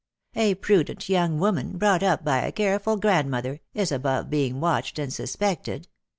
A prudent young woman, brought up by a careful grandmother, is above being watched and suspected.